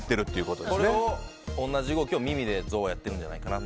これを同じ動きを耳でゾウはやってるんじゃないかな。